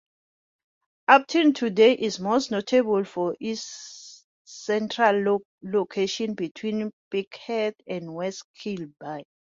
Upton today is most notable for its central location between Birkenhead and West Kirby.